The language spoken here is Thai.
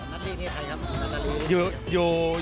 นัสลีนี่ใครครับนัสลี